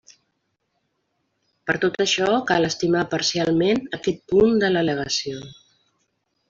Per tot això, cal estimar parcialment aquest punt de l'al·legació.